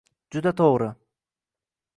Juda to'g'ri.